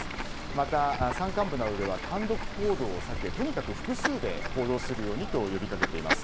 また、山間部などでは単独行動を避けとにかく複数で行動するようにと呼びかけています。